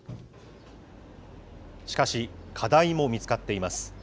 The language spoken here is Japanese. しかし、課題も見つかっています。